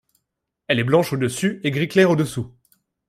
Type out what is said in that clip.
Elle est blanche au-dessus et gris clair au-dessous.